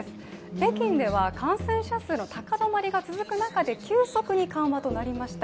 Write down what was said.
北京では感染者数の高止まりが続く中で急速に緩和となりました。